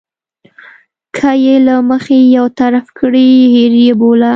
که یې له مخې یو طرفه کړي هېر یې بوله.